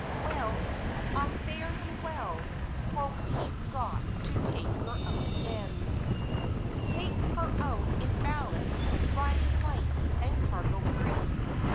Well, ah fare you well, for we've got to take her out again Take her out in ballast, riding light and cargo free.